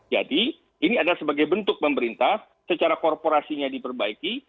jadi ini adalah sebagai bentuk pemerintah secara korporasinya diperbaiki